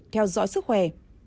theo dõi sức khỏe